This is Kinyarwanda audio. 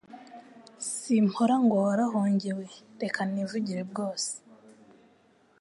Simpora ngo warahongewe reka nivugire bwose